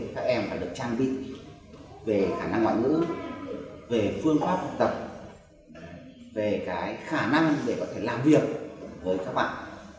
các em đã được trang bị về khả năng ngoại ngữ về phương pháp học tập về khả năng để có thể làm việc với các bạn